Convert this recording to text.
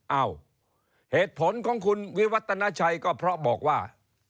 เอ้าเหตุผลของคุณวิวัตนาชัยก็เพราะบอกว่า